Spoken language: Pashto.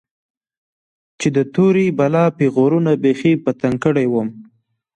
چې د تورې بلا پيغورونو بيخي په تنگ کړى وم.